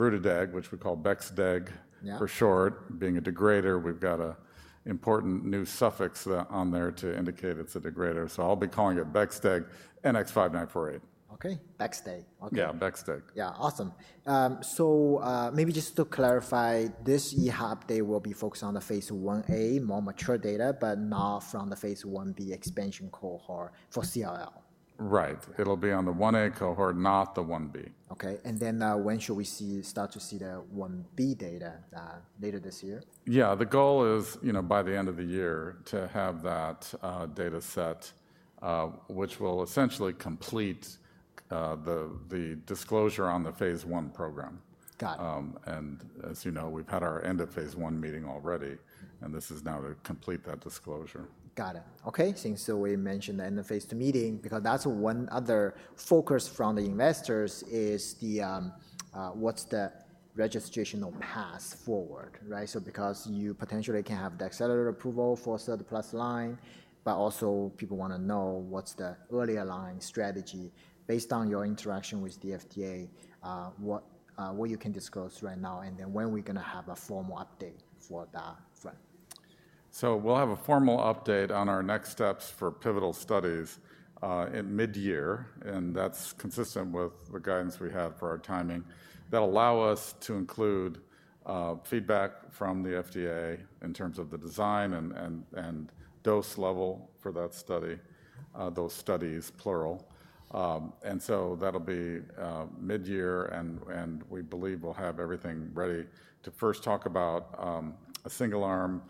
Bexobrutideg, which we call Bexdeg for short, being a degrader. We've got an important new suffix on there to indicate it's a degrader. So I'll be calling it Bexdeg NX-5948. Okay. Bexdeg. Okay. Yeah, Bexdeg. Yeah. Awesome. So, maybe just to clarify, this EHA day will be focused on the phase 1A, more mature data, but not from the phase 1B expansion cohort for CLL. Right. It'll be on the 1A cohort, not the 1B. Okay. When should we see, start to see the 1B data, later this year? Yeah. The goal is, you know, by the end of the year to have that data set, which will essentially complete the disclosure on the phase one program. Got it. and as you know, we've had our end of phase 1 meeting already, and this is now to complete that disclosure. Got it. Okay. Since we mentioned the end of phase 2 meeting, because that's one other focus from the investors is the, what's the registration of paths forward, right? Because you potentially can have the accelerated approval for a third plus line, but also people wanna know what's the earlier line strategy based on your interaction with the FDA, what, what you can disclose right now, and then when we're gonna have a formal update for that front. We'll have a formal update on our next steps for pivotal studies in mid-year, and that's consistent with the guidance we have for our timing that allows us to include feedback from the FDA in terms of the design and dose level for that study, those studies, plural. That'll be mid-year, and we believe we'll have everything ready to first talk about a single arm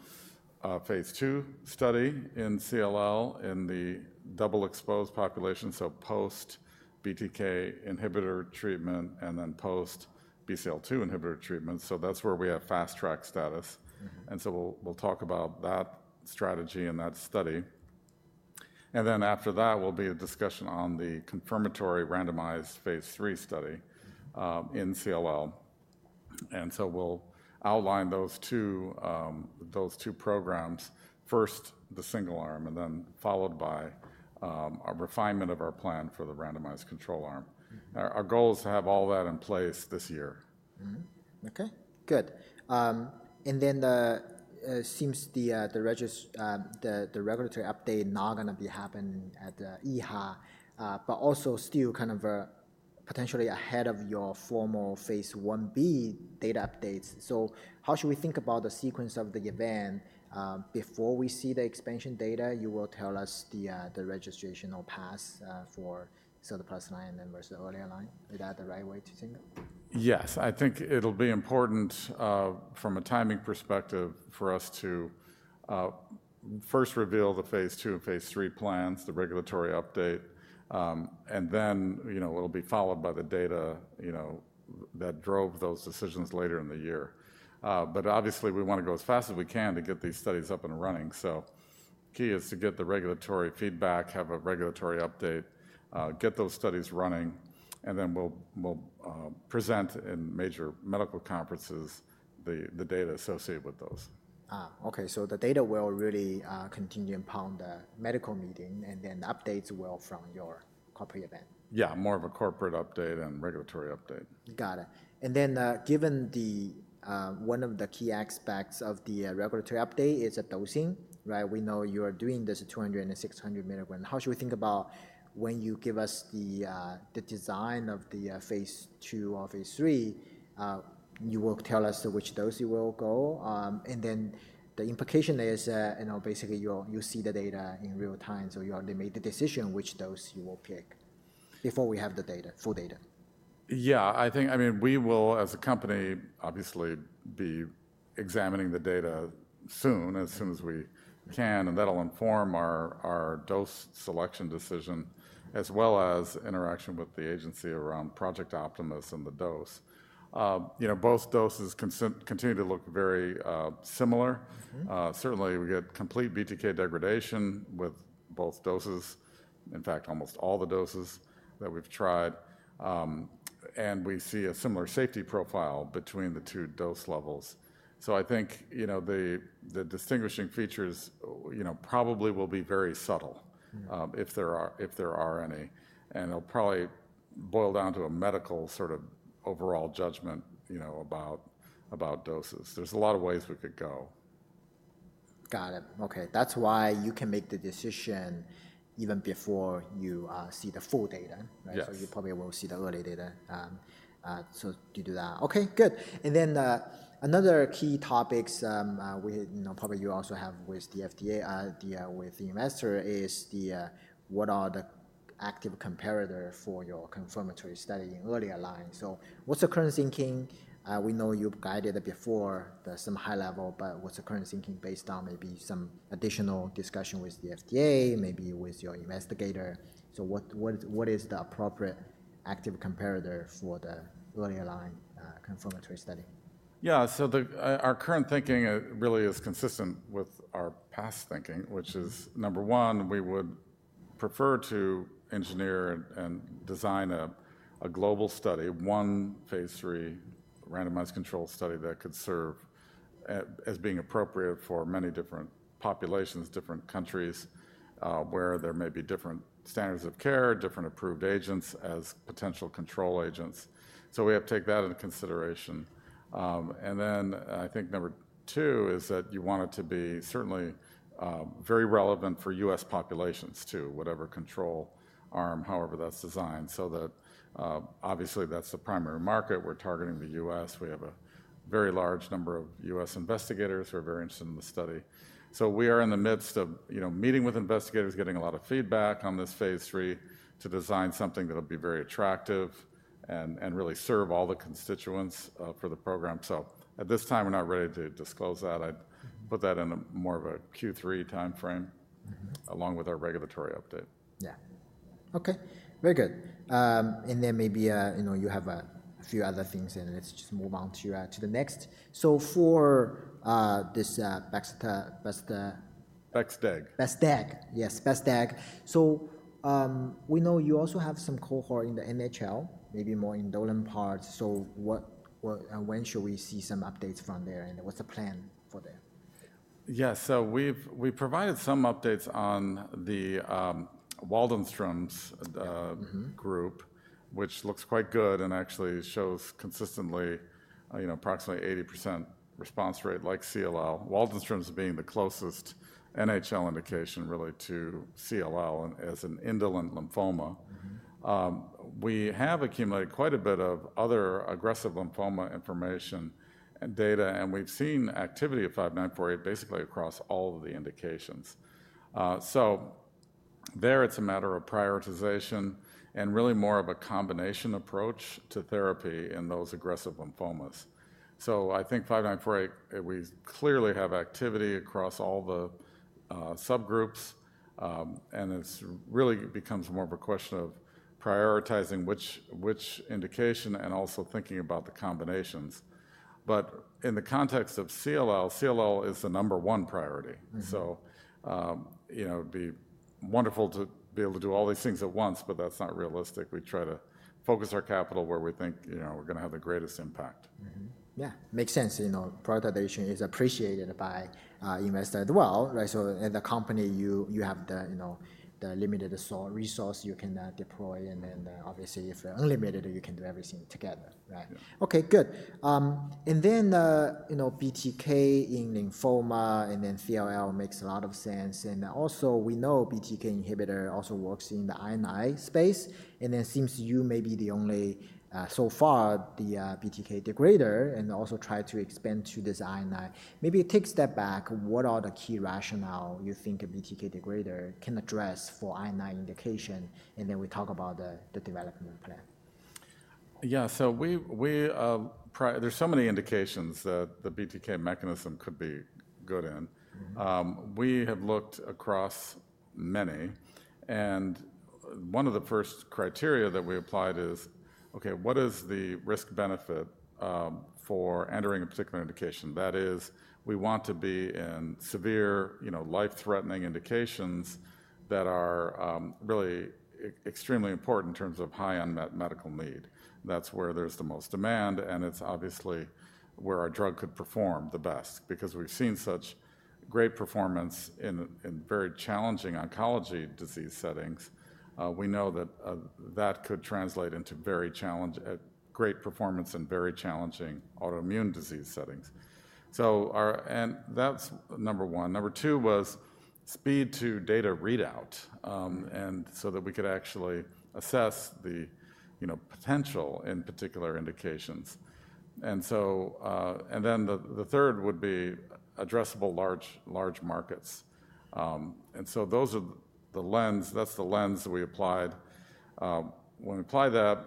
phase 2 study in CLL in the double exposed population, so post BTK inhibitor treatment and then post BCL2 inhibitor treatment. That's where we have fast track status. We'll talk about that strategy and that study. After that, there will be a discussion on the confirmatory randomized phase 3 study in CLL. We'll outline those two programs, first the single arm, and then followed by our refinement of our plan for the randomized control arm. Our goal is to have all that in place this year. Mm-hmm. Okay. Good. And then, it seems the regulatory update not gonna be happening at the EHA, but also still kind of, potentially ahead of your formal phase 1B data updates. How should we think about the sequence of the event, before we see the expansion data? You will tell us the registration or path for third plus line and then versus the earlier line. Is that the right way to think? Yes. I think it'll be important, from a timing perspective for us to, first reveal the phase 2 and phase 3 plans, the regulatory update, and then, you know, it'll be followed by the data, you know, that drove those decisions later in the year. Obviously we wanna go as fast as we can to get these studies up and running. Key is to get the regulatory feedback, have a regulatory update, get those studies running, and then we'll present in major medical conferences the data associated with those. Okay. So the data will really continue upon the medical meeting and then updates will from your corporate event. Yeah. More of a corporate update and regulatory update. Got it. And then, given the, one of the key aspects of the regulatory update is the dosing, right? We know you are doing this 200 and 600 milligram. How should we think about when you give us the design of the phase two or phase three, you will tell us which dose you will go. And then the implication is, you know, basically you'll see the data in real time. So you already made the decision which dose you will pick before we have the data, full data. Yeah. I think, I mean, we will, as a company, obviously be examining the data soon, as soon as we can, and that'll inform our dose selection decision as well as interaction with the agency around Project Optimus and the dose. You know, both doses continue to look very similar. Certainly we get complete BTK degradation with both doses, in fact, almost all the doses that we've tried. And we see a similar safety profile between the two dose levels. I think, you know, the distinguishing features, you know, probably will be very subtle, if there are, if there are any, and it'll probably boil down to a medical sort of overall judgment, you know, about doses. There's a lot of ways we could go. Got it. Okay. That's why you can make the decision even before you see the full data, right? Yes. So you probably will see the early data. Okay. Good. And then, another key topics, we, you know, probably you also have with the FDA, with the investor is the, what are the active comparator for your confirmatory study in earlier line. What's the current thinking? We know you've guided it before at some high level, but what's the current thinking based on maybe some additional discussion with the FDA, maybe with your investigator? What is the appropriate active comparator for the earlier line confirmatory study? Yeah. Our current thinking really is consistent with our past thinking, which is number one, we would prefer to engineer and design a global study, one phase 3 randomized control study that could serve as being appropriate for many different populations, different countries, where there may be different standards of care, different approved agents as potential control agents. We have to take that into consideration. I think number two is that you want it to be certainly very relevant for U.S. populations too, whatever control arm, however that's designed, so that obviously that's the primary market. We're targeting the U.S. We have a very large number of U.S. investigators who are very interested in the study. We are in the midst of, you know, meeting with investigators, getting a lot of feedback on this phase 3 to design something that'll be very attractive and really serve all the constituents for the program. At this time, we're not ready to disclose that. I'd put that in more of a Q3 timeframe. Mm-hmm. Along with our regulatory update. Yeah. Okay. Very good. And then maybe, you know, you have a few other things and let's just move on to the next. So for this, Bexobrutideg, Bexobrutideg. Bexdeg. Bexdeg. Yes. Bexdeg. We know you also have some cohort in the NHL, maybe more indolent parts. What, what, when should we see some updates from there and what's the plan for there? Yeah. So we've, we provided some updates on the Waldenstrom's group, which looks quite good and actually shows consistently, you know, approximately 80% response rate like CLL. Waldenstrom's being the closest NHL indication really to CLL and as an indolent lymphoma. Mm-hmm. We have accumulated quite a bit of other aggressive lymphoma information and data, and we've seen activity of 5948 basically across all of the indications. There, it's a matter of prioritization and really more of a combination approach to therapy in those aggressive lymphomas. I think 5948, we clearly have activity across all the subgroups, and it really becomes more of a question of prioritizing which indication and also thinking about the combinations. In the context of CLL, CLL is the number one priority. Mm-hmm. You know, it'd be wonderful to be able to do all these things at once, but that's not realistic. We try to focus our capital where we think, you know, we're gonna have the greatest impact. Mm-hmm. Yeah. Makes sense. You know, prioritization is appreciated by investors as well, right? In the company, you have the limited resource you can deploy, and then, obviously if you're unlimited, you can do everything together, right? Yeah. Okay. Good. And then, you know, BTK in lymphoma and then CLL makes a lot of sense. And also we know BTK inhibitor also works in the INI space, and then seems you may be the only, so far, the BTK degrader, and also try to expand to this INI. Maybe take a step back. What are the key rationale you think a BTK degrader can address for INI indication? And then we talk about the, the development plan. Yeah. We, we, there's so many indications that the BTK mechanism could be good in. Mm-hmm. We have looked across many, and one of the first criteria that we applied is, okay, what is the risk benefit for entering a particular indication? That is, we want to be in severe, you know, life-threatening indications that are really extremely important in terms of high unmet medical need. That is where there is the most demand, and it is obviously where our drug could perform the best because we have seen such great performance in very challenging oncology disease settings. We know that could translate into great performance in very challenging autoimmune disease settings. That is number one. Number two was speed to data readout, so that we could actually assess the, you know, potential in particular indications. Then the third would be addressable large, large markets. Those are the lens, that is the lens we applied. When we applied that,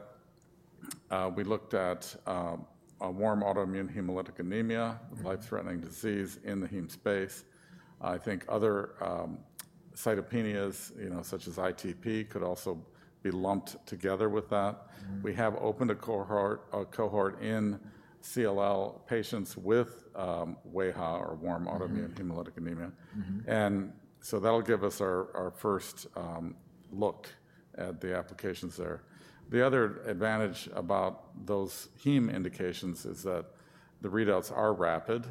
we looked at a warm autoimmune hemolytic anemia, life-threatening disease in the heme space. I think other cytopenias, you know, such as ITP could also be lumped together with that. Mm-hmm. We have opened a cohort, a cohort in CLL patients with WHA or warm autoimmune hemolytic anemia. Mm-hmm. That will give us our first look at the applications there. The other advantage about those heme indications is that the readouts are rapid.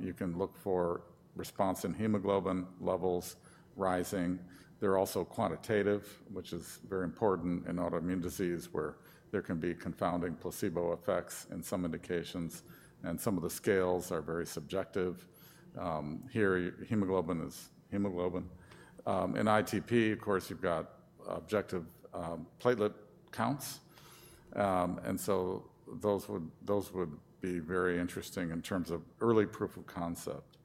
You can look for response in hemoglobin levels rising. They are also quantitative, which is very important in autoimmune disease where there can be confounding placebo effects in some indications, and some of the scales are very subjective. Here, hemoglobin is hemoglobin. In ITP, of course, you have objective platelet counts. Those would be very interesting in terms of early proof of concept.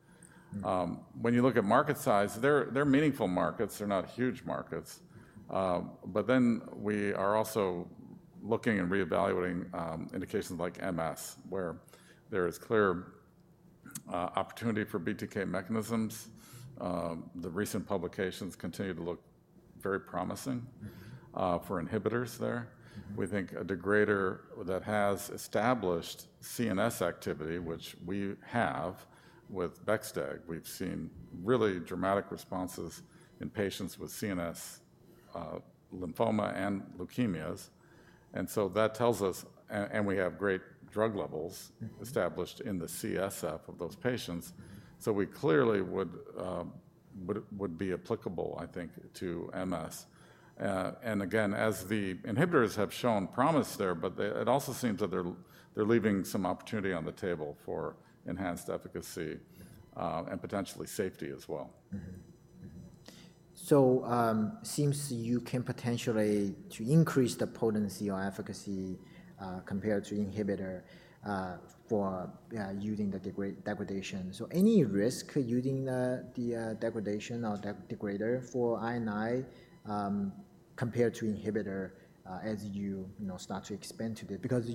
Mm-hmm. When you look at market size, they're meaningful markets. They're not huge markets. We are also looking and reevaluating indications like MS, where there is clear opportunity for BTK mechanisms. The recent publications continue to look very promising. Mm-hmm. for inhibitors there. Mm-hmm. We think a degrader that has established CNS activity, which we have with Bexobrutideg, we've seen really dramatic responses in patients with CNS lymphoma and leukemias. That tells us, and we have great drug levels. Mm-hmm. Established in the CSF of those patients. We clearly would be applicable, I think, to MS. Again, as the inhibitors have shown promise there, but it also seems that they're leaving some opportunity on the table for enhanced efficacy, and potentially safety as well. Mm-hmm. Mm-hmm. Seems you can potentially increase the potency or efficacy, compared to inhibitor, for using the degradation. Any risk using the degradation or degrader for INI, compared to inhibitor, as you start to expand to this? Because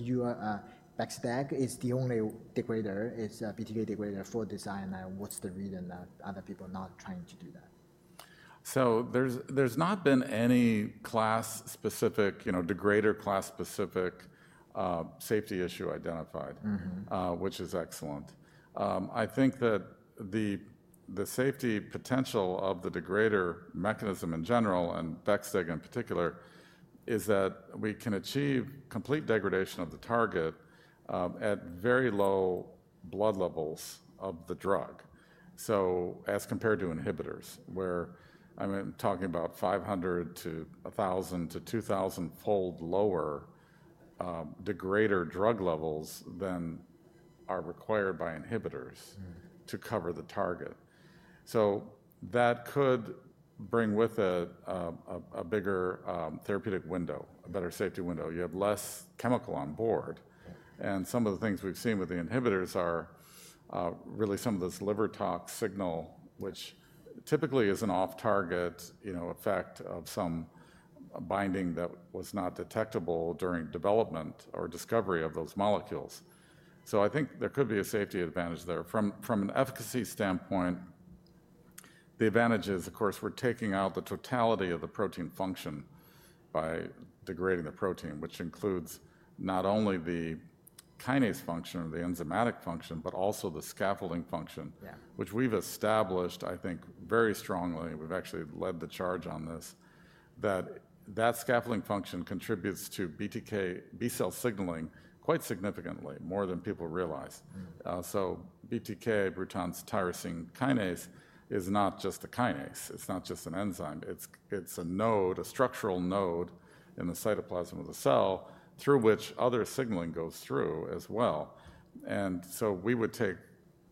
Bexobrutideg is the only degrader, is a BTK degrader for this INI. What's the reason that other people not trying to do that? There's not been any class specific, you know, degrader class specific, safety issue identified. Mm-hmm. which is excellent. I think that the safety potential of the degrader mechanism in general and Bexobrutideg in particular is that we can achieve complete degradation of the target, at very low blood levels of the drug. As compared to inhibitors, where I'm talking about 500-1,000-2,000 fold lower degrader drug levels than are required by inhibitors. Mm-hmm. To cover the target. That could bring with it a bigger therapeutic window, a better safety window. You have less chemical on board. Right. Some of the things we've seen with the inhibitors are, really some of this liver tox signal, which typically is an off-target, you know, effect of some binding that was not detectable during development or discovery of those molecules. I think there could be a safety advantage there. From an efficacy standpoint, the advantage is, of course, we're taking out the totality of the protein function by degrading the protein, which includes not only the kinase function or the enzymatic function, but also the scaffolding function. Yeah. Which we've established, I think, very strongly. We've actually led the charge on this, that that scaffolding function contributes to BTK B cell signaling quite significantly, more than people realize. Mm-hmm. BTK, Bruton's tyrosine kinase, is not just a kinase. It's not just an enzyme. It's a node, a structural node in the cytoplasm of the cell through which other signaling goes through as well. We would take,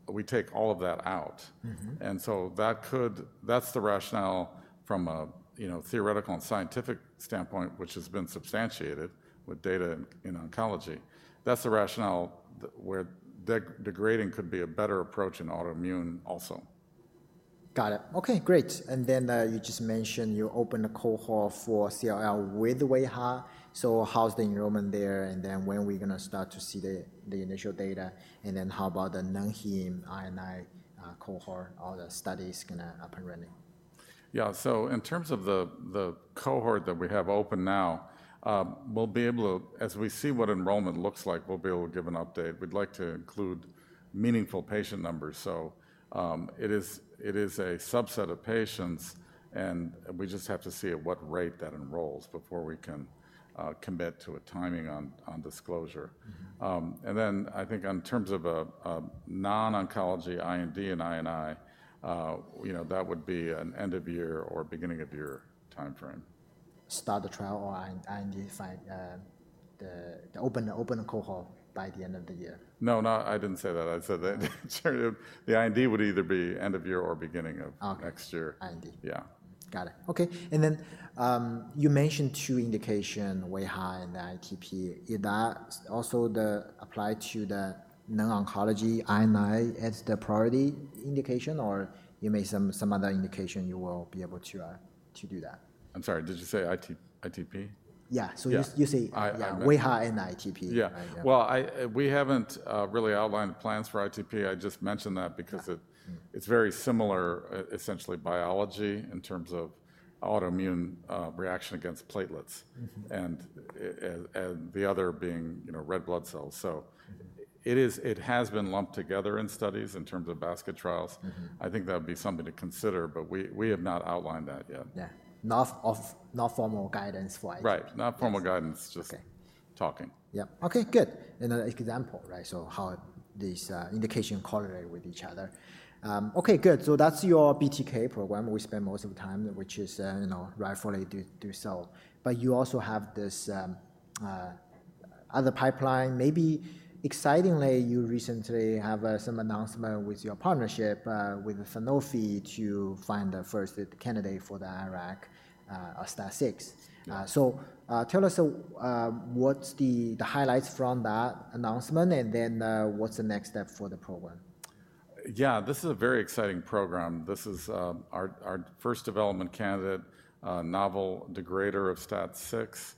we take all of that out. Mm-hmm. That could, that's the rationale from a, you know, theoretical and scientific standpoint, which has been substantiated with data in oncology. That's the rationale that where degrading could be a better approach in autoimmune also. Got it. Okay. Great. You just mentioned you opened a cohort for CLL with WHA. How's the enrollment there? When are we gonna start to see the initial data? How about the non-hem INI cohort? Are the studies gonna be up and running? Yeah. In terms of the cohort that we have open now, we'll be able to, as we see what enrollment looks like, we'll be able to give an update. We'd like to include meaningful patient numbers. It is a subset of patients, and we just have to see at what rate that enrolls before we can commit to a timing on disclosure. Mm-hmm. and then I think in terms of a non-oncology IND and INI, you know, that would be an end of year or beginning of year timeframe. Start the trial or IND, the open cohort, by the end of the year? No, I didn't say that. I said that the IND would either be end of year or beginning of next year. Okay. IND. Yeah. Got it. Okay. You mentioned two indications, WHA and the ITP. Is that also the apply to the non-oncology INI as the priority indication, or you may have some other indication you will be able to do that? I'm sorry. Did you say IT, ITP? Yeah. You say WHA and ITP. Yeah. I, we haven't really outlined plans for ITP. I just mentioned that because it, it's very similar, essentially biology in terms of autoimmune reaction against platelets. Mm-hmm. And the other being, you know, red blood cells. It has been lumped together in studies in terms of basket trials. Mm-hmm. I think that'd be something to consider, but we have not outlined that yet. Yeah. Not off, not formal guidance for ITP. Right. Not formal guidance, just talking. Yeah. Okay. Good. Another example, right? So how these, indication correlate with each other. Okay. Good. So that's your BTK program. We spend most of the time, which is, you know, rightfully do, do so. But you also have this, other pipeline. Maybe excitingly, you recently have some announcement with your partnership, with Sanofi to find the first candidate for the IRAK4, STAT6. Yeah. So, tell us, what's the highlights from that announcement, and then, what's the next step for the program? Yeah. This is a very exciting program. This is our first development candidate, novel degrader of STAT6,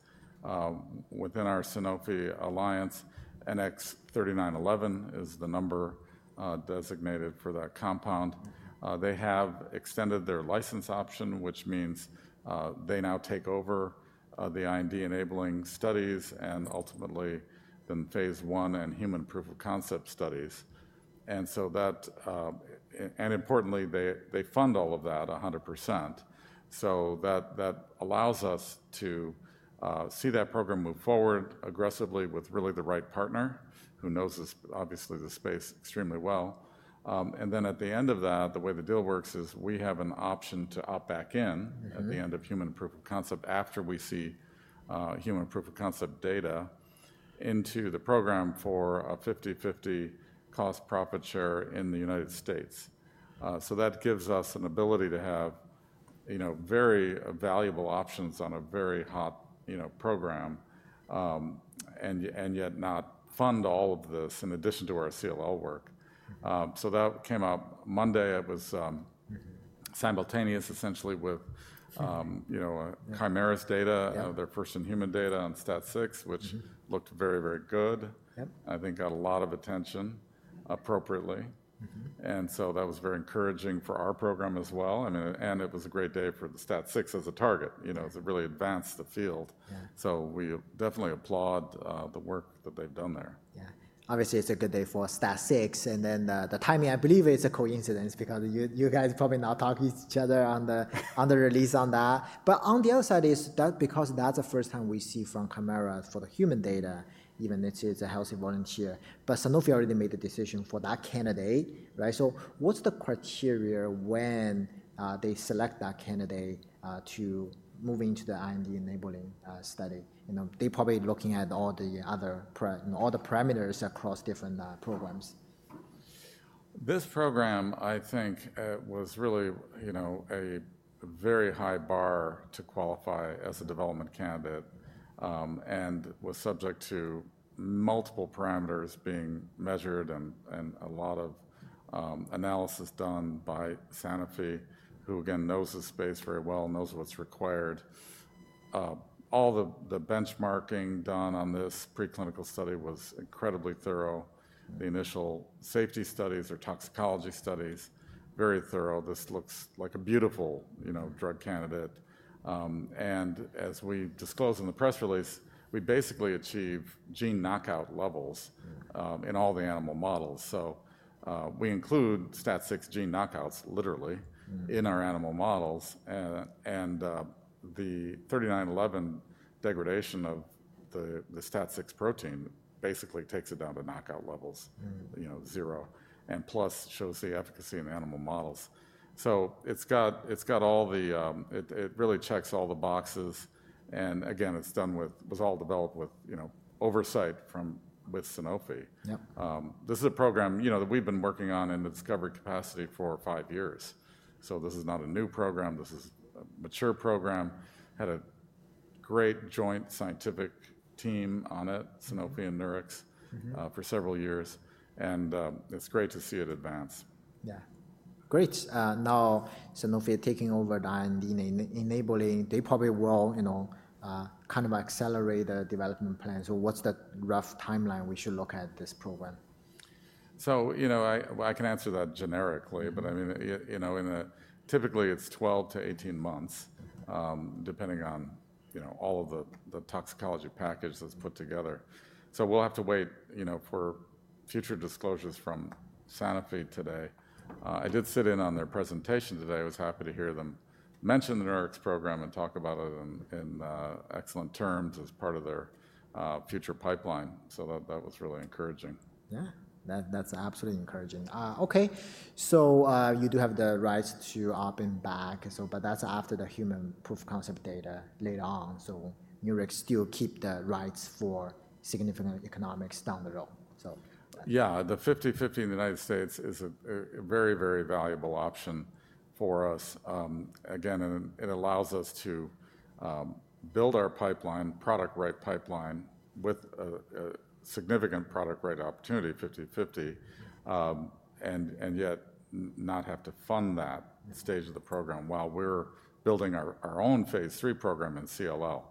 within our Sanofi Alliance. NX-3911 is the number, designated for that compound. Mm-hmm. They have extended their license option, which means they now take over the IND enabling studies and ultimately then phase one and human proof of concept studies. Importantly, they fund all of that 100%. That allows us to see that program move forward aggressively with really the right partner who knows this, obviously the space extremely well. At the end of that, the way the deal works is we have an option to opt back in. Mm-hmm. At the end of human proof of concept after we see human proof of concept data into the program for a 50/50 cost profit share in the United States. That gives us an ability to have, you know, very valuable options on a very hot, you know, program, and yet, and yet not fund all of this in addition to our CLL work. Mm-hmm. So that came out Monday. It was, Mm-hmm. Simultaneous essentially with, you know, Chimera's data. Yeah. their first in human data on STAT6, which looked very, very good. Yep. I think got a lot of attention appropriately. Mm-hmm. That was very encouraging for our program as well. I mean, and it was a great day for the STAT6 as a target, you know, as it really advanced the field. Yeah. We definitely applaud the work that they've done there. Yeah. Obviously, it's a good day for STAT6. The timing, I believe it's a coincidence because you guys are probably not talking to each other on the release on that. On the other side, that's the first time we see from Chimera for the human data, even if it is a healthy volunteer. Sanofi already made the decision for that candidate, right? What's the criteria when they select that candidate to move into the IND enabling study? You know, they are probably looking at all the other pre, all the parameters across different programs. This program, I think, was really, you know, a very high bar to qualify as a development candidate, and was subject to multiple parameters being measured and a lot of analysis done by Sanofi, who again knows the space very well, knows what's required. All the benchmarking done on this preclinical study was incredibly thorough. The initial safety studies or toxicology studies, very thorough. This looks like a beautiful, you know, drug candidate. And as we disclose in the press release, we basically achieve gene knockout levels. Mm-hmm. In all the animal models. We include STAT6 gene knockouts literally. Mm-hmm. In our animal models, the 3911 degradation of the STAT6 protein basically takes it down to knockout levels. Mm-hmm. You know, zero. Plus shows the efficacy in animal models. It really checks all the boxes. Again, it was all developed with oversight from Sanofi. Yep. This is a program, you know, that we've been working on in the discovery capacity for five years. So this is not a new program. This is a mature program. Had a great joint scientific team on it, Sanofi and Nurix. Mm-hmm. For several years. It's great to see it advance. Yeah. Great. Now Sanofi taking over the IND and enabling, they probably will, you know, kind of accelerate the development plan. So what's the rough timeline we should look at this program? You know, I can answer that generically, but I mean, you know, typically it's 12-18 months, depending on all of the toxicology package that's put together. We'll have to wait for future disclosures from Sanofi. I did sit in on their presentation today. I was happy to hear them mention the Nurix program and talk about it in excellent terms as part of their future pipeline. That was really encouraging. Yeah. That's absolutely encouraging. Okay. You do have the rights to up and back, but that's after the human proof of concept data later on. Nurix still keeps the rights for significant economics down the road. Yeah. The 50/50 in the United States is a very, very valuable option for us, again, and it allows us to build our pipeline, product right pipeline with a significant product right opportunity, 50/50, and yet not have to fund that stage of the program while we're building our own phase 3 program in CLL.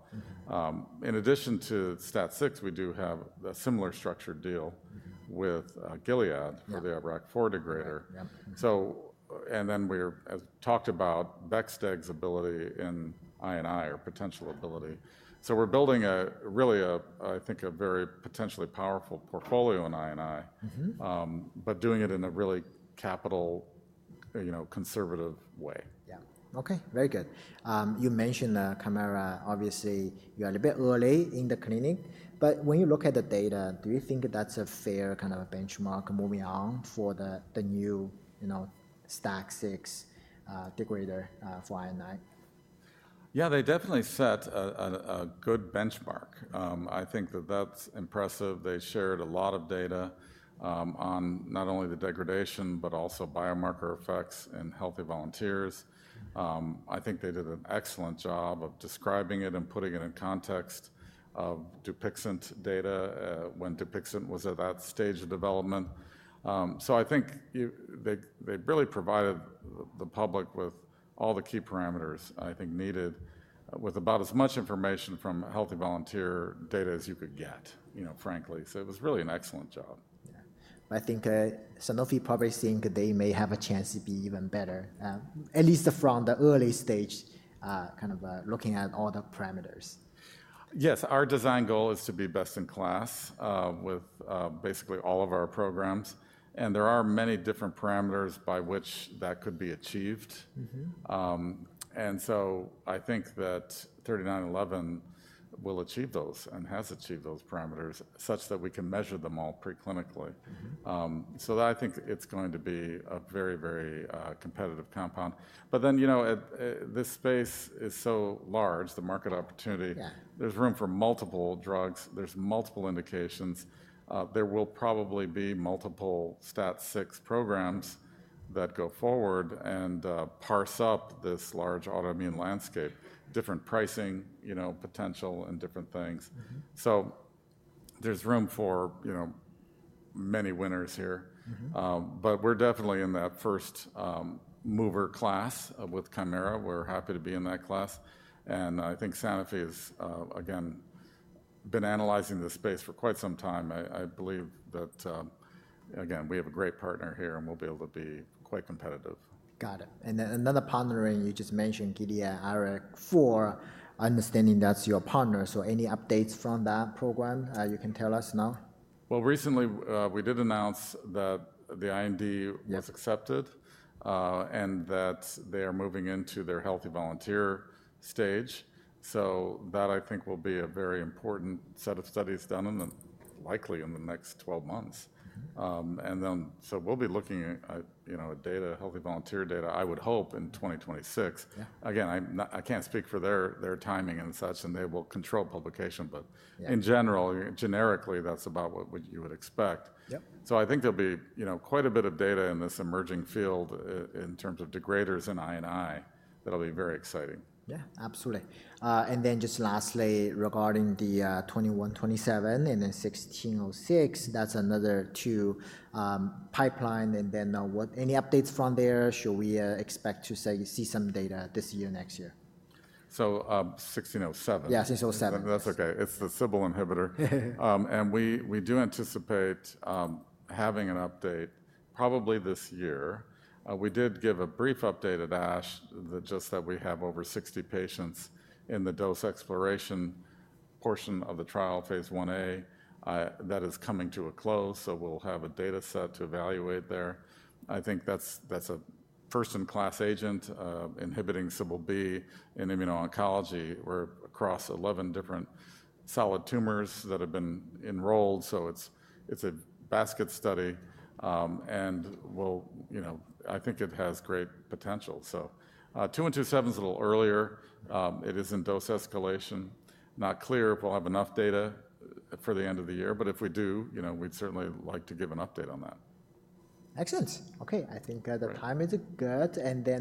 Mm-hmm. In addition to STAT6, we do have a similar structured deal with Gilead for the IRAK4 degrader. Yep. And then we're, as talked about, Bexobrutideg's ability in INI or potential ability. We're building a, really a, I think a very potentially powerful portfolio in INI. Mm-hmm. but doing it in a really capital, you know, conservative way. Yeah. Okay. Very good. You mentioned Chimera, obviously you're a little bit early in the clinic, but when you look at the data, do you think that's a fair kind of a benchmark moving on for the, the new, you know, STAT6 degrader, for INI? Yeah. They definitely set a good benchmark. I think that that's impressive. They shared a lot of data, on not only the degradation, but also biomarker effects in healthy volunteers. I think they did an excellent job of describing it and putting it in context of Dupixent data, when Dupixent was at that stage of development. I think they really provided the public with all the key parameters I think needed with about as much information from healthy volunteer data as you could get, you know, frankly. It was really an excellent job. Yeah. I think Sanofi probably think they may have a chance to be even better, at least from the early stage, kind of, looking at all the parameters. Yes. Our design goal is to be best in class, with, basically all of our programs. And there are many different parameters by which that could be achieved. Mm-hmm. I think that 3911 will achieve those and has achieved those parameters such that we can measure them all preclinically. Mm-hmm. I think it's going to be a very, very competitive compound. But then, you know, this space is so large, the market opportunity. Yeah. There's room for multiple drugs. There's multiple indications. There will probably be multiple STAT6 programs that go forward and parse up this large autoimmune landscape, different pricing, you know, potential and different things. Mm-hmm. There's room for, you know, many winners here. Mm-hmm. We're definitely in that first mover class with Chimera. We're happy to be in that class. I think Sanofi has, again, been analyzing the space for quite some time. I believe that, again, we have a great partner here and we'll be able to be quite competitive. Got it. And then the partnering, you just mentioned Gilead, IRAK4, understanding that's your partner. So any updates from that program, you can tell us now? Recently, we did announce that the IND was accepted. Yep. they are moving into their healthy volunteer stage. That I think will be a very important set of studies done likely in the next 12 months. Mm-hmm. And then, so we'll be looking at, you know, data, healthy volunteer data, I would hope in 2026. Yeah. Again, I'm not, I can't speak for their timing and such and they will control publication, but in general, generically that's about what you would expect. Yep. I think there'll be, you know, quite a bit of data in this emerging field, in terms of degraders in INI that'll be very exciting. Yeah. Absolutely. And then just lastly regarding the 2127 and then 1607, that's another two pipeline. And then, what, any updates from there? Should we expect to, say, see some data this year, next year? So, 1607. Yeah. 1607. That's okay. It's the Cbl-b inhibitor, and we do anticipate having an update probably this year. We did give a brief update at ASH that just that we have over 60 patients in the dose exploration portion of the trial, phase 1A, that is coming to a close. We'll have a data set to evaluate there. I think that's a first-in-class agent, inhibiting Cbl-b in immuno-oncology. We're across 11 different solid tumors that have been enrolled. It's a basket study, and we'll, you know, I think it has great potential. 2127's a little earlier. It is in dose escalation. Not clear if we'll have enough data for the end of the year, but if we do, you know, we'd certainly like to give an update on that. Excellent. Okay. I think the time is good. And then.